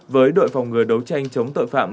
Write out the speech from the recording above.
với đội phòng ngừa đấu tranh chống tội phạm